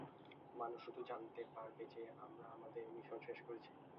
মানুষ শুধু জানতে পারবে যে আমরা আমাদের মিশন শেষ করেছি।